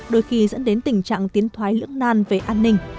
đôi khi dẫn đến tình trạng tiến thoái lưỡng nan về an ninh